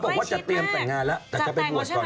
บอกว่าจะเตรียมแต่งงานแล้วแต่จะไปบวชก่อน